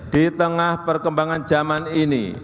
di tengah perkembangan zaman ini